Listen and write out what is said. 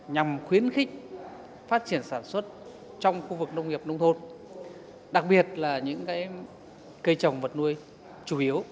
nhằm khuyến khích phát triển sản xuất trong khu vực nông nghiệp nông thôn đặc biệt là những cây trồng vật nuôi chủ yếu